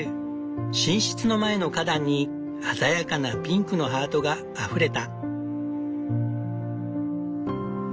寝室の前の花壇に鮮やかなピンクのハートがあふれた。